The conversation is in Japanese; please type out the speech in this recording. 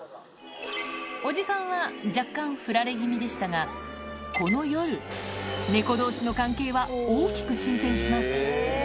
おじさんは若干振られ気味でしたが、この夜、猫どうしの関係は大きく進展します。